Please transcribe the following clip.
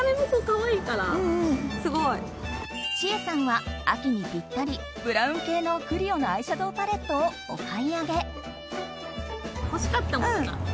ちえさんは秋にぴったりブラウン系のＣＬＩＯのアイシャドーパレットをお買い上げ。